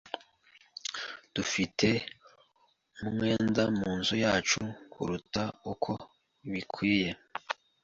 Dufite umwenda munzu yacu kuruta uko bikwiye.